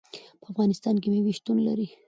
په افغانستان کې مېوې شتون لري.